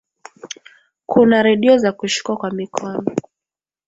kuna redio za kushikwa kwa mikono